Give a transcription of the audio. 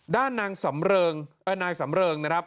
ด้านนางสำเริงนายสำเริงนะครับ